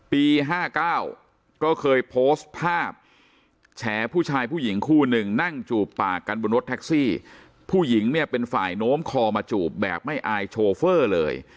ปี๕๙ก็เคยโพสต์ภาพแฉผู้ชายผู้หญิงคู่หนึ่งนั่งจูบปากกันบนรถแท็กซี่ผู้หญิงเนี่ยเป็นฝ่ายโน้มคอมาจูบแบบไม่อายโชเฟอร์เลย